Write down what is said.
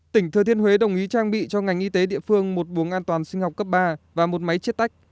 tỉnh thừa thiên huế đồng ý trang bị cho ngành y tế địa phương một buồng an toàn sinh học cấp ba và một máy chết tách